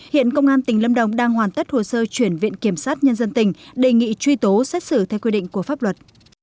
hiện công an tỉnh lâm đồng đang hoàn tất hồ sơ chuyển viện kiểm sát nhân dân tỉnh đề nghị truy tố xét xử theo quy định của pháp luật